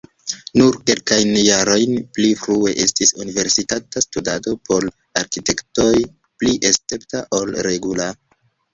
Nur kelkajn jarojn pli frue estis universitata studado por arkitektoj pli escepta ol regula.